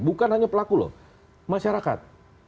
bukan hanya pelaku loh masyarakat